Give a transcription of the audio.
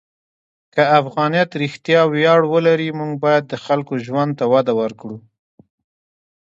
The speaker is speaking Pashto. که افغانیت رښتیا ویاړ ولري، موږ باید د خلکو ژوند ته وده ورکړو.